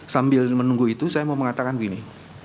sambil menunggu itu saya mau mengatakan begini